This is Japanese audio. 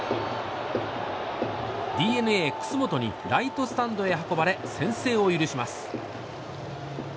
ＤｅＮＡ、楠本にライトスタンドへ運ばれ先制を許します。